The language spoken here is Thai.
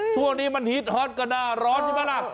ช่วงนี้มันฮิตฮอตก็หน้าร้อนใช่ไหมล่ะ